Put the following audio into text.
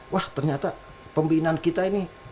wah ternyata pembinaan kita ini